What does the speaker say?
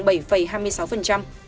đã làm giảm